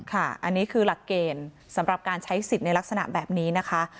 ค่ะอันนี้คือหลักเกณฑ์สำหรับการใช้สิทธิ์ในลักษณะแบบนี้นะคะ